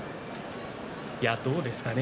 どうですかね